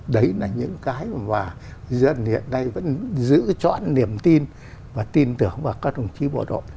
đấy là những cái mà dân hiện nay vẫn giữ chọn niềm tin và tin tưởng vào các đồng chí bộ đội